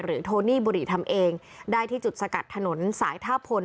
โทนี่บุรีทำเองได้ที่จุดสกัดถนนสายท่าพล